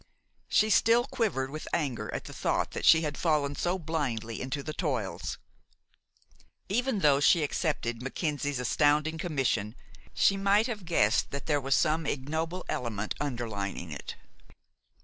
She still quivered with anger at the thought that she had fallen so blindly into the toils. Even though she accepted Mackenzie's astounding commission, she might have guessed that there was some ignoble element underlying it.